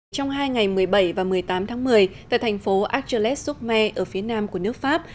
trong hai ngày một mươi bảy và một mươi tám tháng một mươi tại thành phố achelette sur mer ở phía nam của nước pháp